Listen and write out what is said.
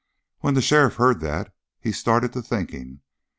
When the sheriff heard that, he started to thinking.